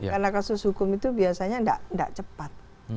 karena kasus hukum itu biasanya tidak cepat